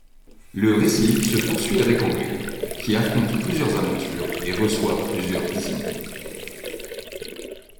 Le récit se poursuit avec André qui affronte plusieurs aventures et reçoit plusieurs visions.